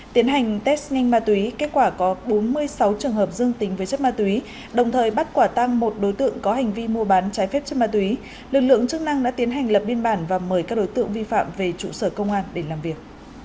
tiến hành test nhanh ma túy kết quả có bốn mươi sáu trường hợp dương tính với chất ma túy đồng thời bắt quả tăng một đối tượng có hành vi mua bán trái phép chất ma túy lực lượng chức năng đã tiến hành lập biên bản và mời các đối tượng vi phạm về trụ sở công an để làm việc